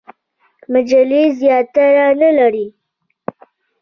مجلې زیاتره نه لري.